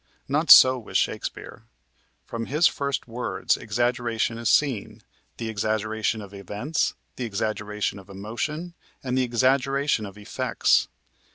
Not so with Shakespeare. From his first words, exaggeration is seen: the exaggeration of events, the exaggeration of emotion, and the exaggeration of effects.